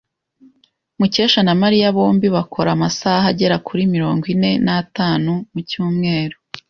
Mukesha na Mariya bombi bakora amasaha agera kuri mirongo ine n'atanu mu cyumweru.